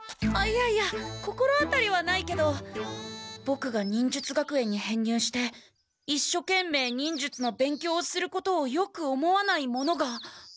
いやいや心当たりはないけどボクが忍術学園に編入して一所懸命忍術の勉強をすることをよく思わない者が。